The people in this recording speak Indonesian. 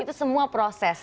itu semua proses